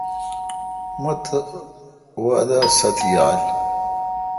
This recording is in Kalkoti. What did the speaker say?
مہ تہ وادہ ست تہ یال۔